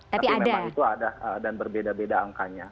tapi memang itu ada dan berbeda beda angkanya